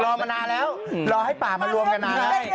มานานแล้วรอให้ป่ามารวมกันนาน